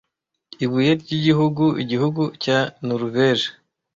Ibuye ryigihugu igihugu cya Noruveje